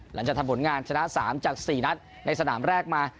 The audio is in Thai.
หลังจากทำผลงานชนะ๓จาก๔นัดในสนามแรกมา